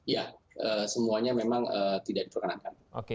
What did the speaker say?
ya semuanya memang tidak diperkenankan